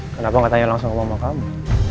kenapa gak tanya langsung ke mama kamu